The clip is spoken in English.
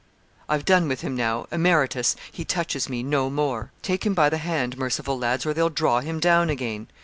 'I've done with him now emeritus he touches me, no more. Take him by the hand, merciful lads, or they'll draw him down again.'